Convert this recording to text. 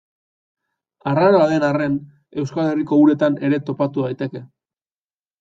Arraroa den arren, Euskal Herriko uretan ere topatu daiteke.